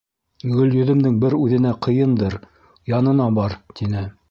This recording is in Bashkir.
Гөлйөҙөмдөң бер үҙенә ҡыйындыр, янына бар, тине.